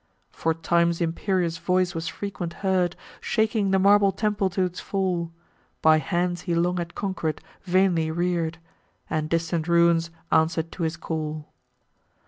For Time's imperious voice was frequent heard Shaking the marble temple to its fall, (By hands he long had conquer'd, vainly rear'd), And distant ruins answer'd to his call.